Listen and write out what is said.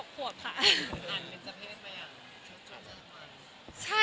อันเป็นเจ้าเพศมั้ยอ่ะ